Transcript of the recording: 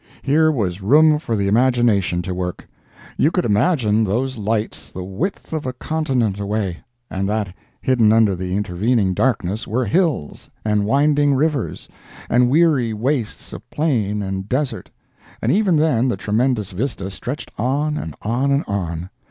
Here was room for the imagination to work! You could imagine those lights the width of a continent away—and that hidden under the intervening darkness were hills, and winding rivers, and weary wastes of plain and desert—and even then the tremendous vista stretched on, and on, and on!